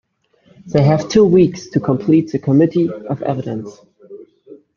They have two weeks to complete the Committee of Evidence.